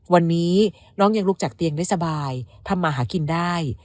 วันนี้น้องยังลุกจากเตียงได้สบายทำมาหากินได้